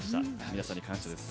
皆さんに感謝です。